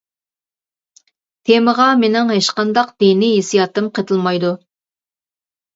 تېمىغا مىنىڭ ھېچقانداق دىنىي ھېسسىياتىم قېتىلمايدۇ.